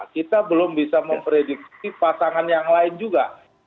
kita belum bisa memprediksi pasangan yang lain juga